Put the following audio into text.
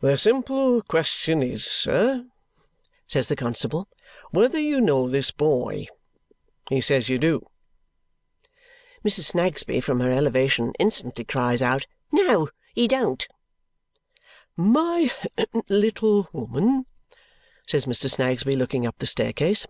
"The simple question is, sir," says the constable, "whether you know this boy. He says you do." Mrs. Snagsby, from her elevation, instantly cries out, "No he don't!" "My lit tle woman!" says Mr. Snagsby, looking up the staircase.